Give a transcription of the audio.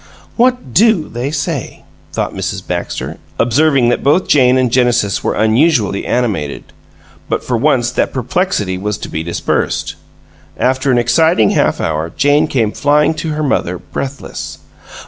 "What DO they say?" thought Mrs. Baxter, observing that both Jane and Genesis were unusually animated. But for once that perplexity was to be dispersed. After an exciting half hour Jane came flying to her mother, breathless.